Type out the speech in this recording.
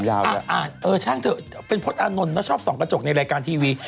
อ่าช่างเถอะเป็นพุทธอนนต์แล้วชอบส่องกระจกในรายการทีวี